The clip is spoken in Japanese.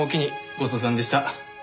ごっそさんでした。